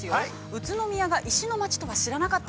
宇都宮が石の町とは、知らなかった。